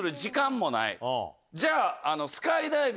じゃあ。